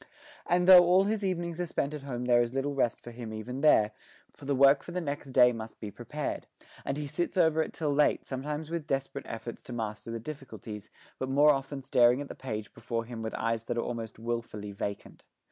And though all his evenings are spent at home there is little rest for him even there, for the work for the next day must be prepared; and he sits over it till late, sometimes with desperate efforts to master the difficulties, but more often staring at the page before him with eyes that are almost wilfully vacant.